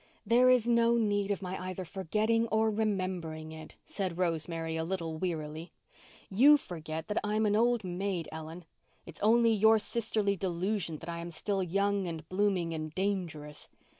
"There is no need of my either forgetting or remembering it," said Rosemary, a little wearily. "You forget that I'm an old maid, Ellen. It is only your sisterly delusion that I am still young and blooming and dangerous.